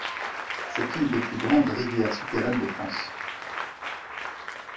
C'est une des plus grandes rivières souterraines de France.